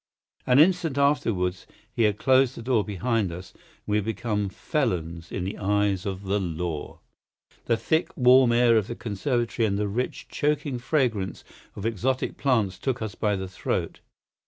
An instant afterwards he had closed the door behind us, and we had become felons in the eyes of the law. The thick, warm air of the conservatory and the rich, choking fragrance of exotic plants took us by the throat.